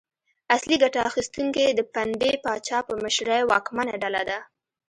اصلي ګټه اخیستونکي د پنبې پاچا په مشرۍ واکمنه ډله ده.